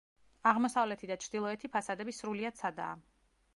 აღმოსავლეთი და ჩრდილოეთი ფასადები სრულიად სადაა.